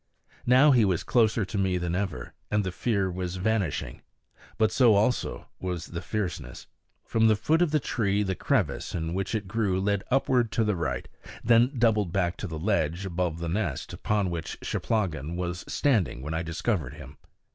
Now he was closer to me than ever, and the fear was vanishing. But so also was the fierceness. From the foot of the tree the crevice in which it grew led upwards to the right, then doubled back to the ledge above the nest, upon which Cheplahgan was standing when I discovered him.